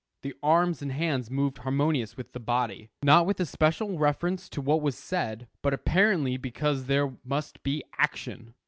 The arms and hands moved harmonious with the body, not with especial reference to what was said, but apparently because there must be action.